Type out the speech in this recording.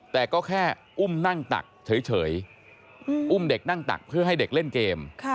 แต่ก็แค่อุ้มนั่งตักเฉยอุ้มเด็กนั่งตักเพื่อให้เด็กเล่นเกม